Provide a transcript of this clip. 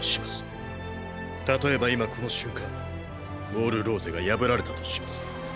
例えば今この瞬間ウォール・ローゼが破られたとします。